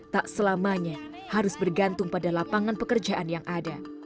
tak selamanya harus bergantung pada lapangan pekerjaan yang ada